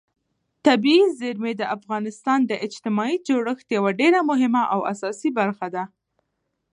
طبیعي زیرمې د افغانستان د اجتماعي جوړښت یوه ډېره مهمه او اساسي برخه ده.